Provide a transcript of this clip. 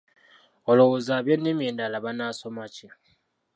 Olowooza ab'ennimi endala banaasoma ki?